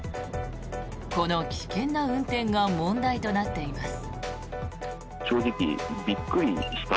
この危険な運転が問題となっています。